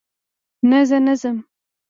نه، زه نه ځم